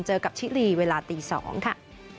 เจอกับชิลีเวลาตี๒ค่ะ